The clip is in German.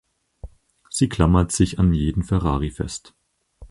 Sie klammert sich an jeden Ferrari fest.